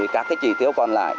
các cái chỉ tiếu còn lại